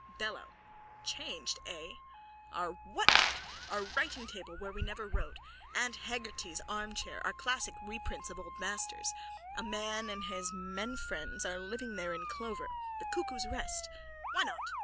BELLO: Changed, eh? Our whatnot, our writingtable where we never wrote, aunt Hegarty's armchair, our classic reprints of old masters. A man and his menfriends are living there in clover. The Cuckoos' Rest! Why not?